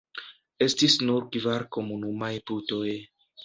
Estis nur kvar komunumaj putoj.